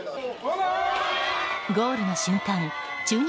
ゴールの瞬間駐日